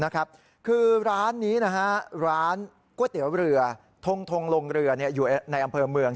คือร้านนี้นะฮะร้านก๋วยเตี๋ยวเรือทงลงเรืออยู่ในอำเภอเมือง